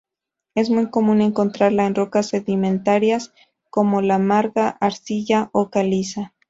Es muy común encontrarla en rocas sedimentarias como la marga, arcilla o caliza.